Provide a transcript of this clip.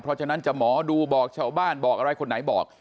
เพราะฉะนั้นจะหมอดูบอกชาวบ้านบอกอะไรคนไหนบอก